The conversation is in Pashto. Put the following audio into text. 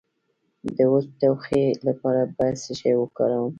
د وچ ټوخي لپاره باید څه شی وکاروم؟